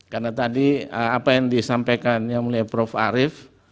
karena tadi apa yang disampaikan yang mulai prof arief